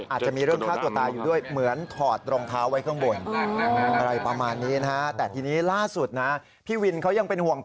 อาจจะมีเรื่องฆ่าตัวตายอยู่ด้วย